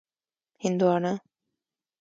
🍉 هندوانه